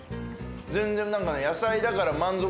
全然何かね。